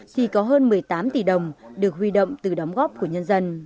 thì có hơn một mươi tám tỷ đồng được huy động từ đóng góp của nhân dân